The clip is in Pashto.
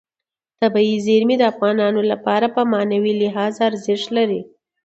طبیعي زیرمې د افغانانو لپاره په معنوي لحاظ ارزښت لري.